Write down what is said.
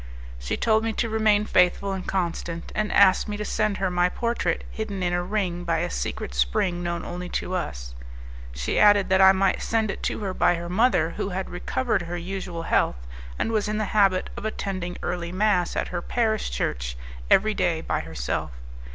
She told me to remain faithful and constant, and asked me to send her my portrait hidden in a ring by a secret spring known only to us. She added that I might send it to her by her mother, who had recovered her usual health, and was in the habit of attending early mass at her parish church every day by herself.